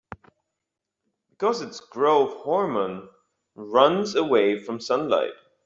Because its growth hormone runs away from sunlight.